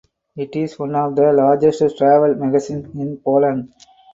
It is one of the largest travel magazines in Poland.